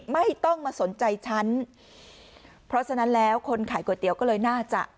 ไม่ต้องมาสนใจฉันเพราะฉะนั้นแล้วคนขายก๋วยเตี๋ยวก็เลยน่าจะ